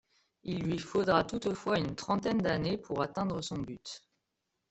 Il lui faudra toutefois une trentaine d’année pour atteindre son but.